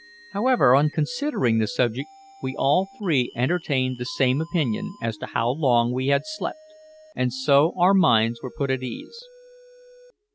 However, on considering the subject, we all three entertained the same opinion as to how long we had slept, and so our minds were put at ease.